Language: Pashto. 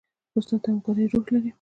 استاد د همکارۍ روح لري.